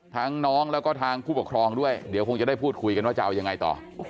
น้องแล้วก็ทางผู้ปกครองด้วยเดี๋ยวคงจะได้พูดคุยกันว่าจะเอายังไงต่อ